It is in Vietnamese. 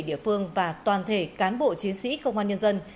địa phương và toàn thể cán bộ chiến sĩ công an nhân dân